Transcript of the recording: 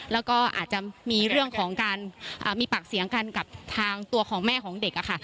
แล้วก็อาจจะมีเรื่องของการมีปากเสียงกันกับทางตัวของแม่ของเด็กค่ะ